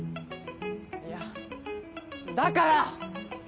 いやだから！